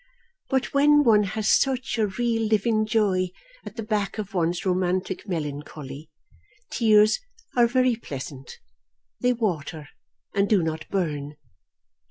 But when one has such a real living joy at the back of one's romantic melancholy, tears are very pleasant; they water and do not burn.